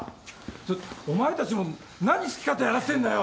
ちょお前たちも何好き勝手やらせてんだよ！